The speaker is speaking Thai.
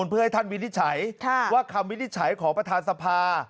ทุกคนเพื่อให้ท่านวินิเศษว่าคำวินิเศษของประธานสภา